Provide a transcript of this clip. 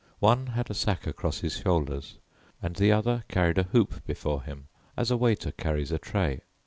One had a sack across his shoulders and the other carried a hoop before him as a waiter carries a tray.